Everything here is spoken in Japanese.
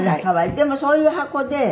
でもそういう箱で。